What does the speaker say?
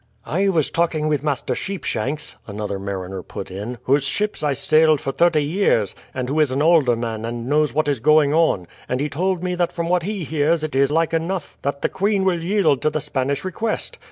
"I was talking with Master Sheepshanks," another mariner put in, "whose ships I sailed for thirty years, and who is an alderman and knows what is going on, and he told me that from what he hears it is like enough that the queen will yield to the Spanish request.